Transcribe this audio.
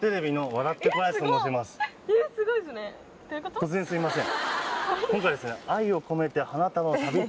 突然すいません。